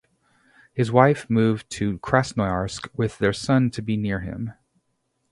His wife moved to Krasnoyarsk with their son to be near him.